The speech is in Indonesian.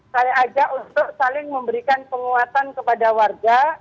saya ajak untuk saling memberikan penguatan kepada warga